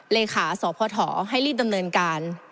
เลขาสพให้รีบดำเนินการ